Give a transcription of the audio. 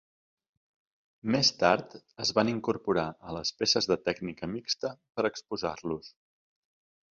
Més tard es van incorporar a les peces de tècnica mixta per exposar-los.